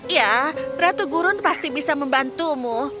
ya ratu gurun pasti bisa membantumu